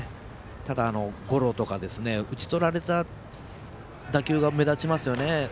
ただ、ゴロとか打ち取られた打球が目立ちますよね。